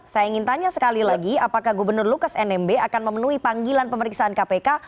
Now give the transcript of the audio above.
saya ingin tanya sekali lagi apakah gubernur lukas nmb akan memenuhi panggilan pemeriksaan kpk